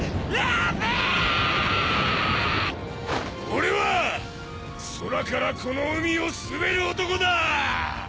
俺はッ空からこの海を統べる男だァ！